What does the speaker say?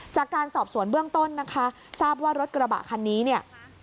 จากการสอบสวนเบื้องต้นนะคะทราบว่ารถกระบะคันนี้เนี่ย